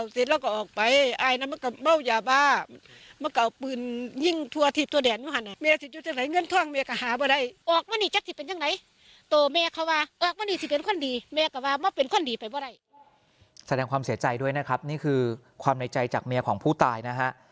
แสดงความเสียใจด้วยนะครับนี่คือความในใจจากเมียของผู้ตายนะฮะ